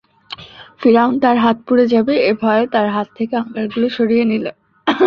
ফিরআউন তার হাত পুড়ে যাবে এ ভয়ে তার হাত থেকে অঙ্গারগুলো সরিয়ে নিল।